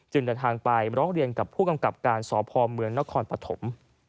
เดินทางไปร้องเรียนกับผู้กำกับการสพเมืองนครปฐม